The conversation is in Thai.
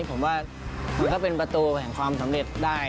ผมว่ามันก็เป็นประตูของความสำเร็จได้